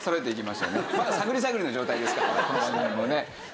まだ探り探りの状態ですからこの番組もね。